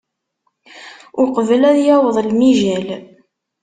Uqbel ad yaweḍ lemijal.